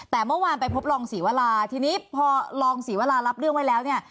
แต่เมื่อวานไปพบรองศรีวราทีนี้พอรองศรีวรารับเรื่องไว้แล้วเนี่ย